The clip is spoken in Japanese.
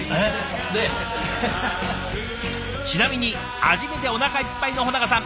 ちなみに味見でおなかいっぱいの保永さん。